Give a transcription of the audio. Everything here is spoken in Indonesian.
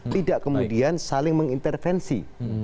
tidak kemudian saling mengintervensi